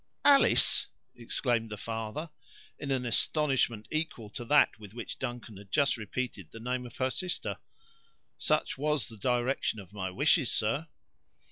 "Alice!" exclaimed the father, in an astonishment equal to that with which Duncan had just repeated the name of her sister. "Such was the direction of my wishes, sir."